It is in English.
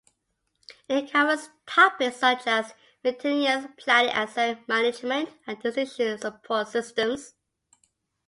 It covers topics such as maintenance planning, asset management, and decision support systems.